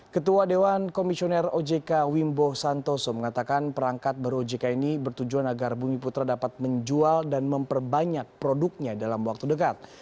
ketua dewan komisioner ojk wimbo santoso mengatakan perangkat baru ojk ini bertujuan agar bumi putra dapat menjual dan memperbanyak produknya dalam waktu dekat